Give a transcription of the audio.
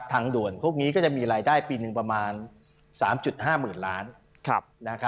ทางด่วนพวกนี้ก็จะมีรายได้ปีหนึ่งประมาณ๓๕๐๐๐ล้าน